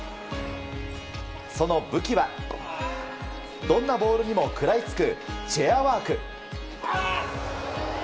その武器はどんなボールにも食らいつくチェアワーク。